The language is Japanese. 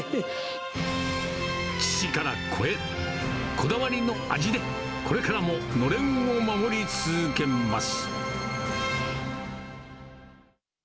こだわりの味で、これからものれんを守り続けます。